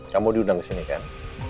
kamu diundang kesini kan